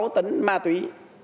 sáu tấn ma túy